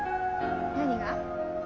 何が？